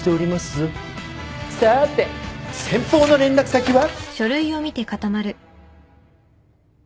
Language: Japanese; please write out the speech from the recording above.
さあて先方の連絡先は？